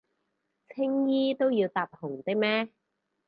青衣都要搭紅的咩？